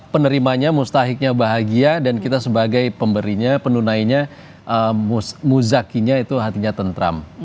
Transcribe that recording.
penerimanya mustahiknya bahagia dan kita sebagai pemberinya penunainya muzakinya itu hatinya tentram